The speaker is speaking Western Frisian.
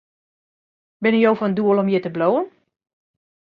Binne jo fan doel om hjir te bliuwen?